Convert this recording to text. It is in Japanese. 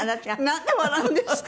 なんで笑うんですか？